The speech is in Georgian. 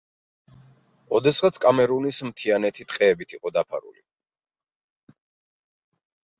ოდესღაც კამერუნის მთიანეთი ტყეებით იყო დაფარული.